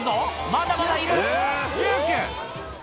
まだまだいる。